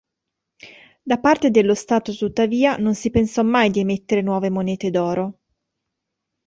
Da parte dello stato tuttavia non si pensò mai di emettere nuove monete d'oro.